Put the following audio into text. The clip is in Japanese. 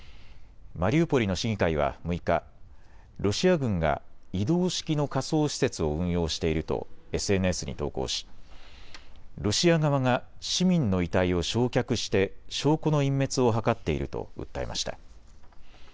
マリウポリの市議会は６日、ロシア軍が移動式の火葬施設を運用しているとＳＮＳに投稿し、ロシア側が市民の遺体を焼却して証拠の隠滅を図っていると訴えました。